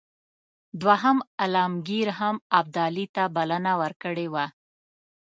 دوهم عالمګیر هم ابدالي ته بلنه ورکړې وه.